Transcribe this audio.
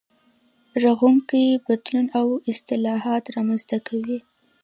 رغونکی بدلون او اصلاحات رامنځته کوي.